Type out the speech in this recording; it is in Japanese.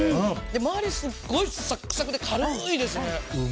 周り、すごいサクサクで軽いですね。